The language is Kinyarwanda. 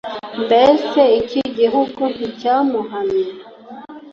Mbese iki gihugu nticyahumanye